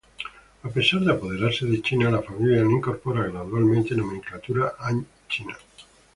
A pesar de apoderarse de China, la familia no incorpora gradualmente nomenclatura Han china.